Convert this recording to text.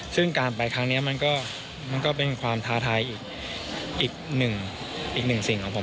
ซึ่งการไปครั้งนี้มันก็เป็นความท้าทายอีก๑สิ่งของผม